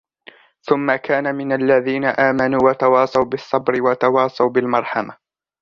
ثُمَّ كَانَ مِنَ الَّذِينَ آمَنُوا وَتَوَاصَوْا بِالصَّبْرِ وَتَوَاصَوْا بِالْمَرْحَمَةِ